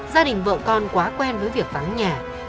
gia đình vợ con quá quen